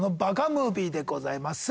ムービーでございます。